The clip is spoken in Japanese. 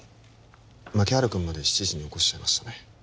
牧原君まで７時に起こしちゃいましたね